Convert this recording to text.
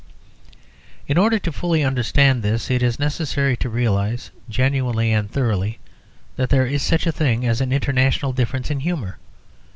In order fully to understand this, it is necessary to realise, genuinely and thoroughly, that there is such a thing as an international difference in humour.